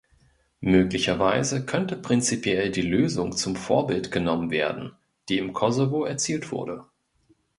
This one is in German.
Möglicherweise könnte prinzipiell die Lösung zum Vorbild genommen werden, die im Kosovo erzielt wurde.